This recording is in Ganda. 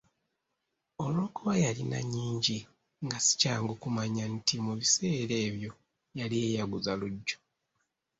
Olwokuba yalina nyingi nga si kyangu kumanya nti mu biseera ebyo yali yeeyaguza lujjo.